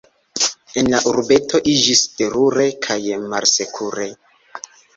En la urbeto iĝis terure kaj malsekure.